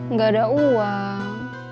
gak ada uang